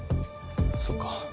そっか。